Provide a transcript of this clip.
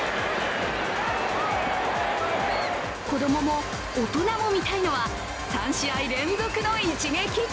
子供も大人も見たいのは３試合連続の一撃。